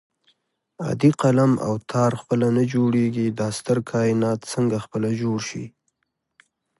عادي قلم او تار خپله نه جوړېږي دا ستر کائنات څنګه خپله جوړ شي